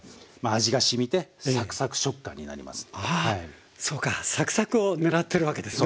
あそうか。サクサクを狙ってるわけですね？